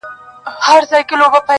o توري دي لالا کوي، مزې دي عبدالله کوي!